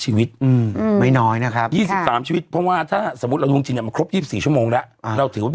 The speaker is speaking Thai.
อีก๒๓ชีวิต